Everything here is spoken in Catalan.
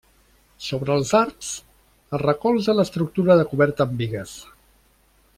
Sobre els arcs es recolza l'estructura de coberta amb bigues.